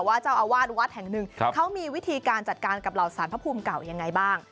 ว่าเจ้าอาวาสวัดแห่งหนึ่งเขามีวิธีการจัดการกับเหล่าสารพระภูมิเก่ายังไงบ้าง